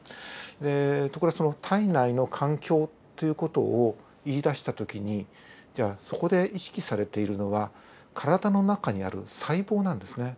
でところがその体内の環境という事を言いだした時にじゃあそこで意識されているのは体の中にある細胞なんですね。